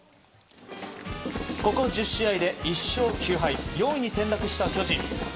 ここ１０試合で１勝９敗４位に転落した巨人。